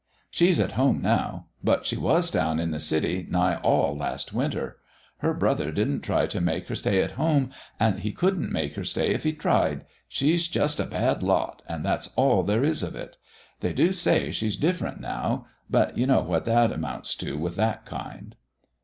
She's at home now, but she was down in the city nigh all last winter. Her brother didn't try to make her stay at home, and he couldn't make her stay if he tried she's just a bad lot, and that's all there is of it. They do say she's different now, but you know what that amounts to with that kind."